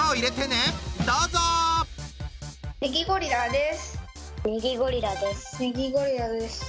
ネギゴリラです。